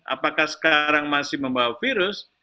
apakah sekarang masih membawa virus